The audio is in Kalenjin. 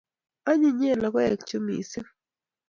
Anyinyen logoek chu missing'